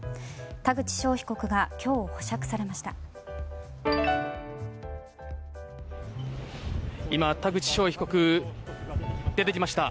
田口翔被告が今日、保釈されました。